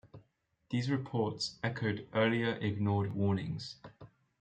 These reports echoed earlier ignored warnings.